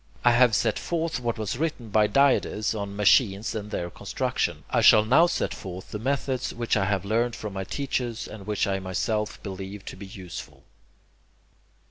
I have set forth what was written by Diades on machines and their construction. I shall now set forth the methods which I have learned from my teachers, and which I myself believe to be useful.